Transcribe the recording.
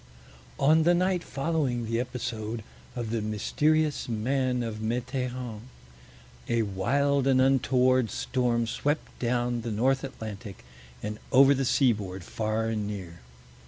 On the night following the episode of the "Mysterious Man of Meteighan," a wild and untoward storm swept down the North Atlantic and over the seaboard far and near.